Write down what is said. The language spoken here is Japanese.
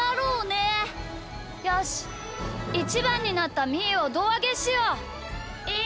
よしイチバンになったみーをどうあげしよう。